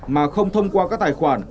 mà không thông qua các tài khoản